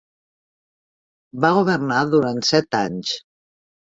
Va governar durant set anys.